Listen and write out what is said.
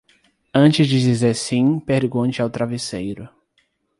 Antes de dizer sim, pergunte ao travesseiro.